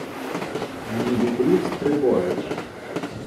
Ні вітрів-стрибожичів